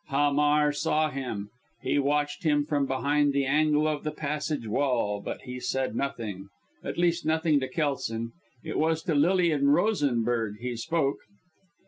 Hamar saw him. He watched him from behind the angle of the passage wall, but he said nothing at least, nothing to Kelson. It was to Lilian Rosenberg he spoke.